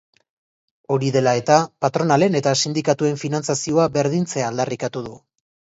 Hori dela eta, patronalen eta sindikatuen finantzazioa berdintzea aldarrikatu du.